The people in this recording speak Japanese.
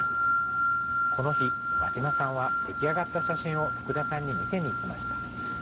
この日、和嶋さんは出来上がった写真を福田さんに見せに行きました。